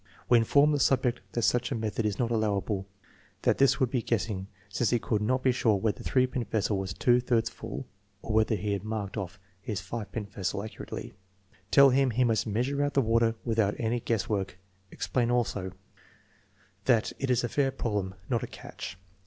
We inform the subject that such a method is not allowable; that this would be guessing, since he could not be sure when the S pint vessel was twp thirds full (or whether he had marked off his 5 pint vessel accurately). Tell him he must measure out the water without any guess work. Explain also, that it is a fair problem, not a "catch."